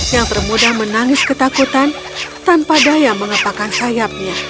yang bermudah menangis ketakutan tanpa daya mengepakkan sayapnya